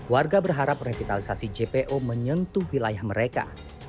warga berharap revitalisasi jpo menyentuh wilayah mereka